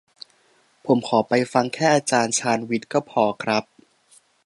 ผมขอไปฟังแค่อาจารย์ชาญวิทย์ก็พอครับ